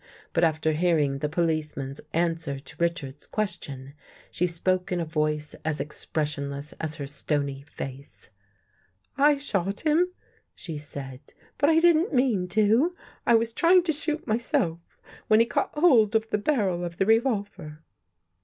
But, after hearing the policeman's answer to Richards's question, she spoke in a voice as expressionless as her stony face. " I shot him," she said. " But I didn't mean to. I was trying to shoot myself, when he caught hold of the barrel of the revolver."